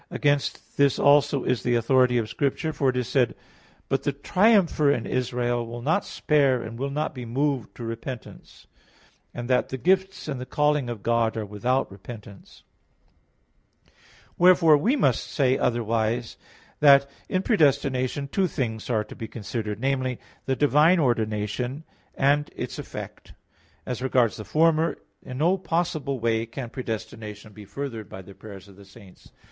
Against this also is the authority of Scripture. For it is said: "But the triumpher in Israel will not spare and will not be moved to repentance" (1 Kings 15:29); and that "the gifts and the calling of God are without repentance" (Rom. 11:29). Wherefore we must say otherwise that in predestination two things are to be considered namely, the divine ordination; and its effect. As regards the former, in no possible way can predestination be furthered by the prayers of the saints.